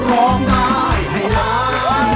ร้องได้ให้ล้าน